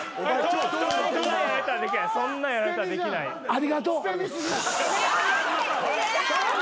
ありがとう。